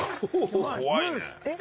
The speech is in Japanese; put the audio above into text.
怖いね。